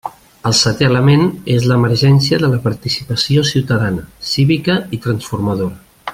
El seté element és l'emergència de la participació ciutadana, cívica i transformadora.